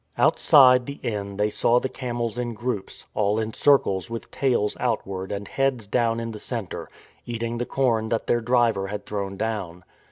Outside the inn they saw the camels in groups, all in circles with tails outward and heads down in the centre, eating the corn that their driver had thrown down.